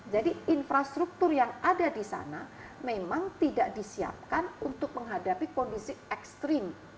jadi infrastruktur yang ada di sana memang tidak disiapkan untuk menghadapi kondisi ekstrim